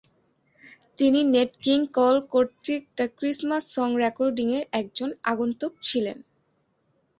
তিনি Nat King Cole কর্তৃক the Christmas Song রেকর্ডিং-এর একজন আগন্তুক ছিলেন।